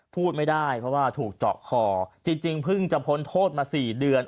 พูดไม่ได้เพราะว่าถูกเจาะคอจริงเพิ่งจะพ้นโทษมา๔เดือน